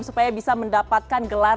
supaya bisa mendapatkan gelombang